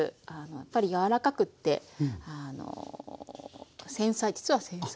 やっぱり柔らかくてあの実は繊細。